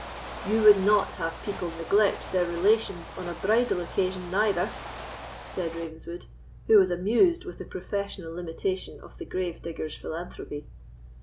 "You would not have people neglect their relations on a bridal occasion neither?" said Ravenswood, who was amused with the professional limitation of the grave digger's philanthropy.